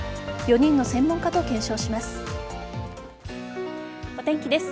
４人の専門家と検証します。